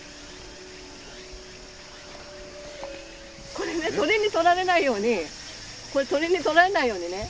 これね鳥にとられないようにこれ鳥にとられないようにね